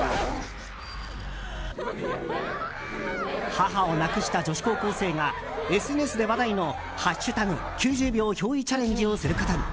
母を亡くした女子高校生がＳＮＳで話題の「＃９０秒憑依チャレンジ」をすることに。